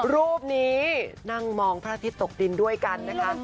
รูปนี้นั่งมองพระอาทิตย์ตกดินด้วยกันนะคะ